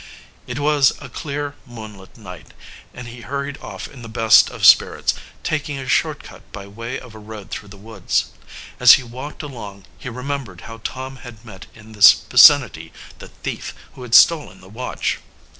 It was a clear, moonlight night, and he hurried off in the best of spirits, taking a short cut by way of a road through the woods. As he walked along he remembered how Tom had met in this vicinity the thief who had stolen the watch.